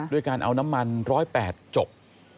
ด้วยการเอาน้ำมัน๑๐๘จบ